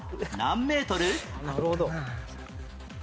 なるほど。